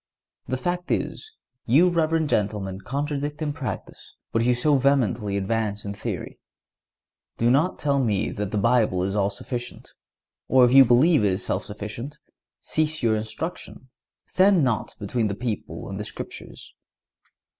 The fact is, you reverend gentlemen contradict in practice what you so vehemently advance in theory. Do not tell me that the Bible is all sufficient; or, if you believe it is self sufficient, cease your instructions. Stand not between the people and the Scriptures.